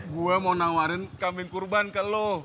gue mau nawarin kambing kurban ke lo